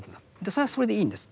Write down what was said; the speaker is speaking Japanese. それはそれでいいんです。